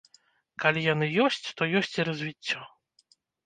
Калі яны ёсць, то ёсць і развіццё.